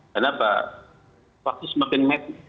karena pak fakis makin mati